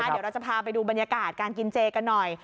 เดี๋ยวเราจะพาไปดูบรรยากาศการกินเจกันหน่อย